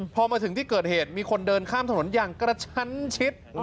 พอมาถึงที่เกิดเหตุมีคนเดินข้ามถนนอย่างกระชั้นชิด